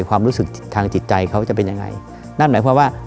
ความรู้สึกทางจิตใจเขาจะเป็นยังไงนั่นหมายความว่า